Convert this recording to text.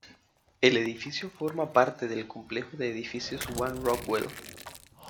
El edificio forma parte del complejo de edificios One Rockwell.